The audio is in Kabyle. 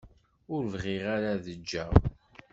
Ur bɣiɣ ara ad ǧǧeɣ.